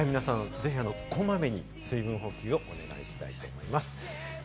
ぜひ、こまめに水分補給をお願いします。